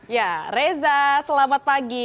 ya reza selamat pagi